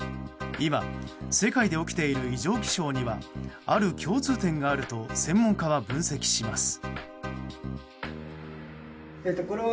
今、世界で起きている異常気象にはある共通点があると専門家は分析します。